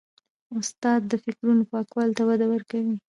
استاد د فکرونو پاکوالي ته وده ورکوي.